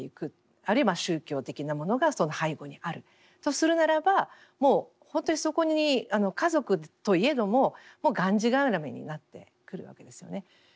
あるいは宗教的なものがその背後にあるとするならばもうほんとにそこに家族といえどもがんじがらめになってくるわけですよね。